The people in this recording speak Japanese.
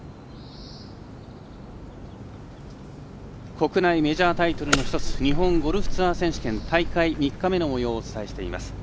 国内メジャータイトルの１つ日本ゴルフツアー選手権大会３日目のもようをお伝えしています。